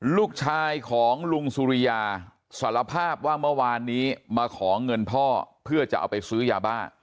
ลูกชายของลุงสุริยาสารภาพว่าเมื่อวานนี้มาขอเงินพ่อเพื่อจะเอาไปซื้อยาบ้า